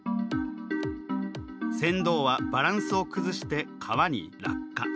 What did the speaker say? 船頭はバランスを崩して川に落下。